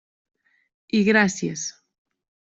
I gràcies.